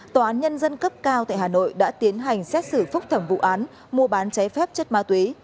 tòa án nhân dân cấp cao tại hà nội đã tiến hành xét xử phúc thẩm vụ án mua bán cháy phép chất ma túy